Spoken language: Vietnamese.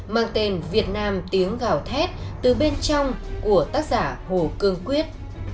mang tên việt nam tiếng gào thét từ bên trong của tác giả hồ cương quyết